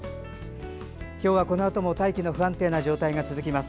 今日はこのあとも大気の不安定な状態が続きます。